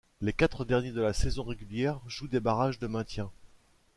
Les quatre derniers de la saison régulière jouent des barrages de maintien.